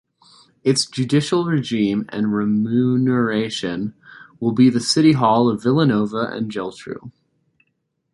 Its judicial regime and remuneration will be the City hall of Vilanova and Geltrú.